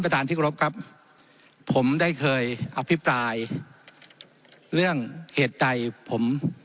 ท่านที่กรบครับผมได้เคยอภิปรายเรื่องเหตุใดผม